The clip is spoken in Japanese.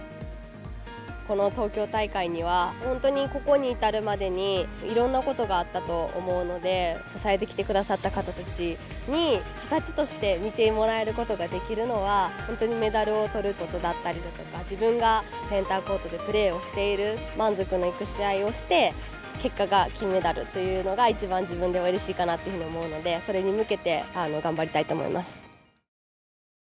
この東京大会には本当に、ここに至るまでにいろんなことがあったと思うので支えてきてくださった方たちに形として見てもらえることができるのは本当にメダルを取ることだったりとか自分がセンターコートでプレーをしている満足のいく試合をして結果が金メダルっていうのが一番、自分では、うれしいかなっていうふうに思うのでそれに向けて頑張りたいと思います。